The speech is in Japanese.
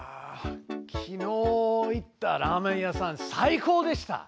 昨日行ったラーメン屋さん最高でした！